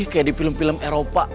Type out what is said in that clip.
kayak di film film eropa